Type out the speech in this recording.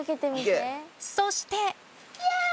そして。